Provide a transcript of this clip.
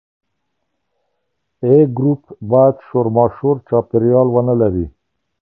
A ګروپ باید شورماشور چاپیریال ونه لري.